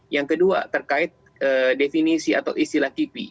yang kedua terkait definisi atau istilah kipi